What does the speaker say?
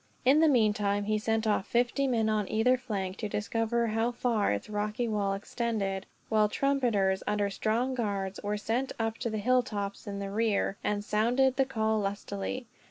In the meantime, he sent off fifty men on either flank, to discover how far its rocky wall extended; while trumpeters, under strong guards, were sent up to the hilltops in the rear, and sounded the call lustily.